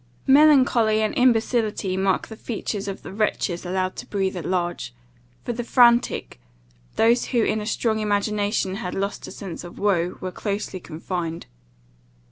Melancholy and imbecility marked the features of the wretches allowed to breathe at large; for the frantic, those who in a strong imagination had lost a sense of woe, were closely confined.